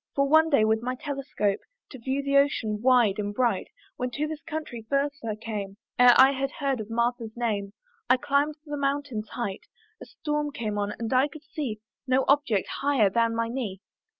For one day with my telescope, To view the ocean wide and bright, When to this country first I came, Ere I had heard of Martha's name, I climbed the mountain's height: A storm came on, and I could see No object higher than my knee.